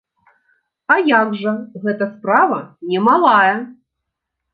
А як жа, гэта справа не малая.